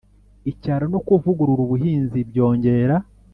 icyaro no kuvugurura ubuhinzi byongera